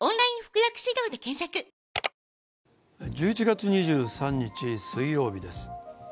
１１月２３日水曜日です。